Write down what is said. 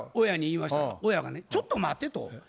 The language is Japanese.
親に言いましたら親がね「ちょっと待て」と。